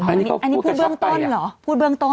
อันนี้พูดเบื้องต้นเหรอพูดเบื้องต้น